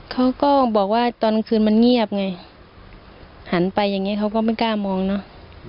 เขาก็บอกว่าตอนคืนมันเงียบไงหันไปอย่างนี้เขาก็ไม่กล้ามองเนอะ